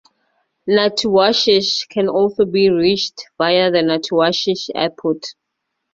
Natuashish can also be reached via the Natuashish Airport.